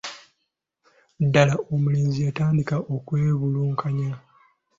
ddaala omulenzi yatandika okwebulankanya.